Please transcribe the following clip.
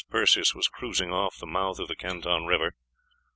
Perseus was cruising off the mouth of the Canton River.